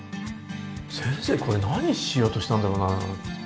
先生これ何しようとしたんだろうな。